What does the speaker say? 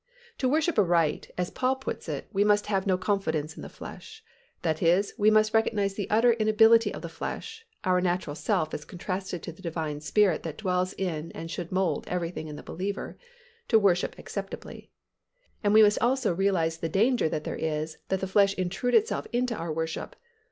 To worship aright, as Paul puts it, we must have "no confidence in the flesh," that is, we must recognize the utter inability of the flesh (our natural self as contrasted to the Divine Spirit that dwells in and should mould everything in the believer) to worship acceptably. And we must also realize the danger that there is that the flesh intrude itself into our worship.